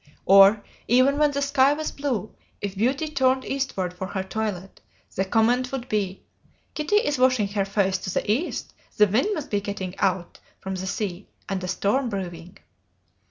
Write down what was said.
Or, even when the sky was blue, if Beauty turned eastward for her toilet, the comment would be: 'Kitty is washing her face to the east. The wind must be getting "out" (from the sea), and a storm brewing.'